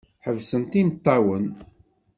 Ḥebsent imeṭṭawen.